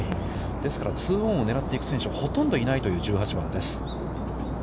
ですから、ツーオンを狙っていく選手はほとんどいないという１８番です。